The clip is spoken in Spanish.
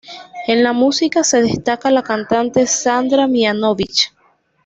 En la música se destaca la cantante Sandra Mihanovich.